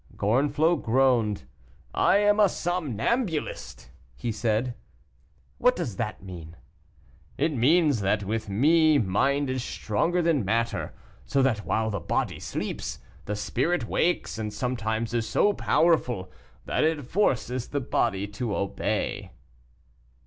Gorenflot groaned. "I am a somnambulist," he said. "What does that mean?" "It means, that with me mind is stronger than matter; so that while the body sleeps, the spirit wakes, and sometimes is so powerful that it forces the body to obey."